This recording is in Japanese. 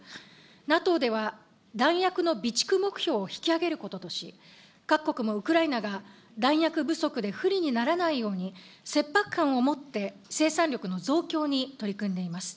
ＮＡＴＯでは、弾薬の備蓄目標を引き上げることとし、各国もウクライナが弾薬不足で不利にならないように、切迫感を持って、生産力の増強に取り組んでいます。